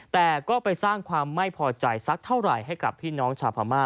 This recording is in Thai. แต่ก็ไปสร้างความไม่พอใจสักเท่าไหร่ให้กับพี่น้องชาวพม่า